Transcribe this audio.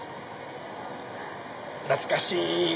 懐かしい。